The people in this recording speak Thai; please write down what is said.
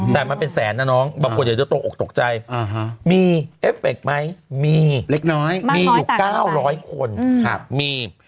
แต่มันเป็นแสนน่ะน้องบางคนจะตกใจมีเอฟเฟคไหมมีมีอยู่๙๐๐คนมี